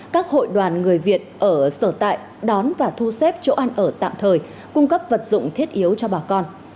các hội đoàn người việt ở sở tại đón và thu xếp chỗ ăn ở tạm thời cung cấp vật dụng thiết yếu cho bà con